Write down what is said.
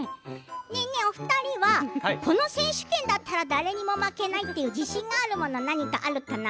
お二人はこの選手権だったら誰にも負けないっていう自信があるものは何かあるかな？